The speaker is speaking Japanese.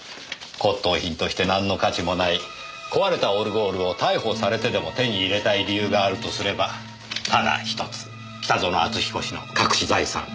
骨董品としてなんの価値もない壊れたオルゴールを逮捕されてでも手に入れたい理由があるとすればただ１つ北薗篤彦氏の隠し財産。